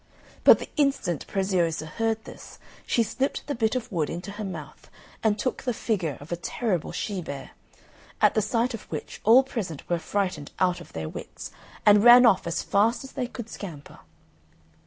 But the instant Preziosa heard this, she slipped the bit of wood into her mouth, and took the figure of a terrible she bear, at the sight of which all present were frightened out of their wits, and ran off as fast as they could scamper.